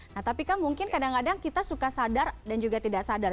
nah tapi kan mungkin kadang kadang kita suka sadar dan juga tidak sadar